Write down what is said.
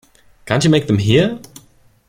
Can't you make them hear?